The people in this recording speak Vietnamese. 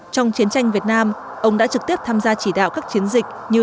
trong chiến tranh việt nam ông đã trực tiếp tham gia chỉ đạo các chiến dịch như